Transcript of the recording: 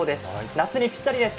夏にぴったりです。